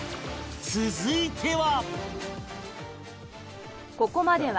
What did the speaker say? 続いては